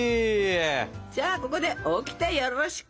じゃあここでオキテよろしく。